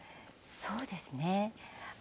そうですね。